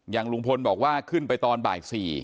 ลุงพลบอกว่าขึ้นไปตอนบ่าย๔